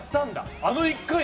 あの１回で？